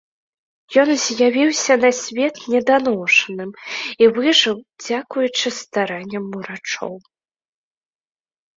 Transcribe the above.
Ён з'явіўся на свет неданошаным і выжыў дзякуючы старанням урачоў.